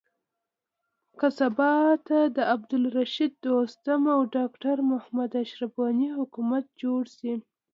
که سبا ته د عبدالرشيد دوستم او ډاکټر محمد اشرف حکومت جوړ شي.